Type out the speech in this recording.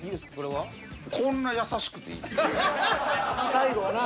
最後はな。